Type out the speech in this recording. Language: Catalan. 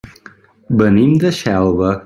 Venim de Xelva.